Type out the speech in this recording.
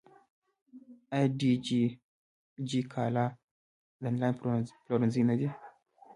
آیا دیجیجی کالا د انلاین پلورنځی نه دی؟